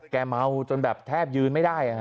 เมาจนแบบแทบยืนไม่ได้